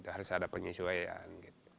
harus ada penyesuaian